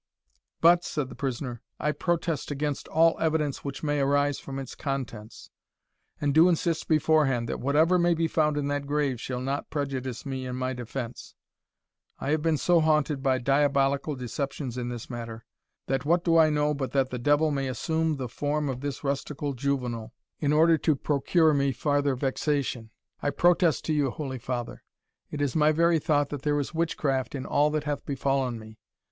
"But," said the prisoner, "I protest against all evidence which may arise from its contents, and do insist beforehand, that whatever may be found in that grave shall not prejudice me in my defence. I have been so haunted by diabolical deceptions in this matter, that what do I know but that the devil may assume the form of this rustical juvenal, in order to procure me farther vexation? I protest to you, holy father, it is my very thought that there is witchcraft in all that hath befallen me.